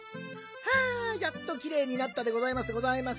はあやっときれいになったでございますでございます。